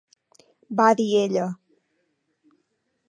va dir ella.